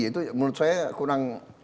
itu menurut saya kurang